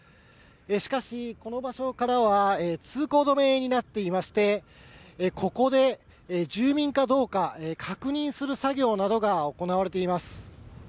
しかしこの場所からは通行止めになっていまして、ここで住民かどうか確認する作業などが行われています。